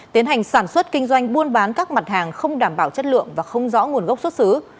tiến hành sản xuất kinh doanh buôn bán các mặt hàng không đảm bảo chất lượng và không rõ nguồn gốc xuất xứ